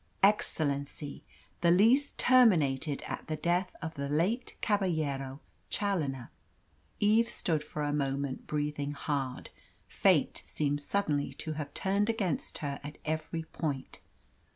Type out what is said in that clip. "Excellency, the lease terminated at the death of the late Caballero Challoner." Eve stood for a moment, breathing hard. Fate seemed suddenly to have turned against her at every point.